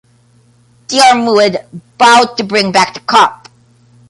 Diarmuid vowed to bring back the cup.